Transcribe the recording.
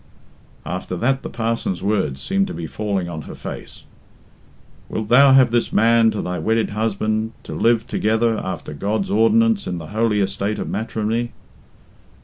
After that the parson's words seemed to be falling on her face. "Wilt thou have this man to thy wedded husband, to live together after God's ordinance in the holy estate of matrimony?